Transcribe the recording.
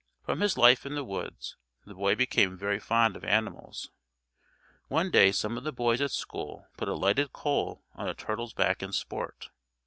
From his life in the woods the boy became very fond of animals. One day some of the boys at school put a lighted coal on a turtle's back in sport.